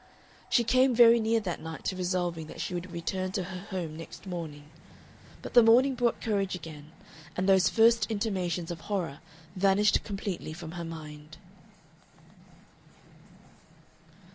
She came very near that night to resolving that she would return to her home next morning. But the morning brought courage again, and those first intimations of horror vanished completely from her mind.